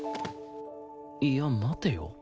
いや待てよ